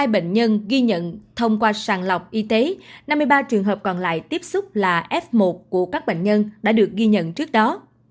hai bệnh nhân ghi nhận thông qua sàng lọc y tế năm mươi ba trường hợp còn lại tiếp xúc là f một của các bệnh nhân đã được ghi nhận trước đó